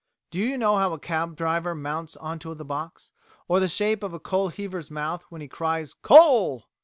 Do you know how a cab driver mounts on to the box, or the shape of a coal heaver's mouth when he cries "Coal!"?